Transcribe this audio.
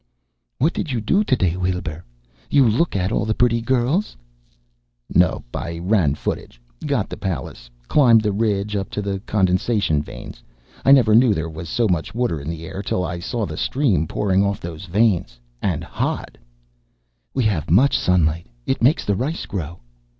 "What did you do today, Weelbrrr? You look at all the pretty girls?" "Nope. I ran footage. Got the palace, climbed the ridge up to the condensation vanes. I never knew there was so much water in the air till I saw the stream pouring off those vanes! And hot!" "We have much sunlight; it makes the rice grow."